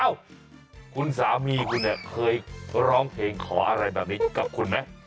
เอ้าคุณสามีคุณเนี่ยเคยร้องเพลงขออะไรแบบนี้กับคุณไหม